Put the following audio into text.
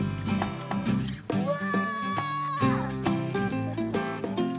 うわ！